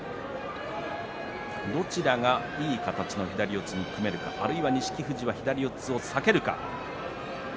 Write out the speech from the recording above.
どちらがいい形の左四つに組めるか、錦富士は左四つを避けるか。